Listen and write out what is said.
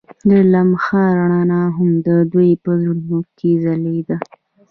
د لمحه رڼا هم د دوی په زړونو کې ځلېده.